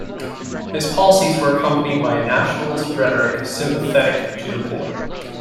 His policies were accompanied by a nationalist rhetoric sympathetic to the poor.